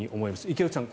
池内さん